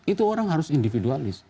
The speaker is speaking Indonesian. itu orang harus individualis